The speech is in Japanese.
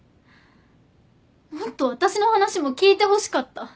もっと私の話も聞いてほしかった。